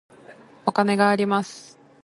お金があります。